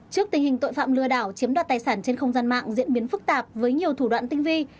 trước tình hình tội phạm lừa đảo chiếm đoạt tài sản trên không gian mạng diễn biến phức tạp với nhiều thủ đoạn tinh vi